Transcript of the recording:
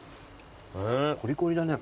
コリコリだね。